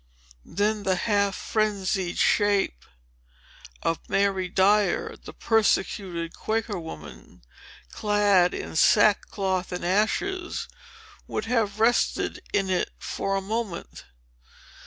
Then the half frenzied shape of Mary Dyer, the persecuted Quaker woman, clad in sackcloth and ashes, would have rested in it for a moment.